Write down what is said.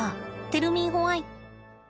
テルミーホワイ？